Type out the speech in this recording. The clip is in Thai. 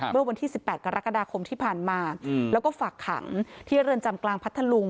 เมื่อวันที่๑๘กรกฎาคมที่ผ่านมาแล้วก็ฝากขังที่เรือนจำกลางพัทธลุง